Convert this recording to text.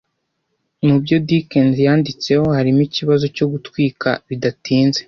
Mubyo Dickens yanditseho harimo ikibazo cyo gutwika bidatinze